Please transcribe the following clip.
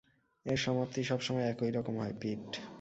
এর সমাপ্তি সবসময় একইরকম হয়, পিট।